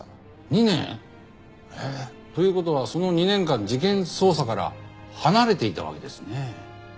２年？という事はその２年間事件捜査から離れていたわけですね。